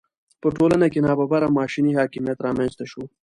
په ټولنه کې ناببره ماشیني حاکمیت رامېنځته شو.